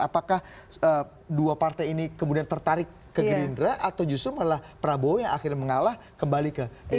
apakah dua partai ini kemudian tertarik ke gerindra atau justru malah prabowo yang akhirnya mengalah kembali ke indonesia